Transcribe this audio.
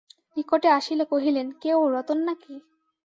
নিকটে আসিলে কহিলেন, কে ও, রতন নাকি?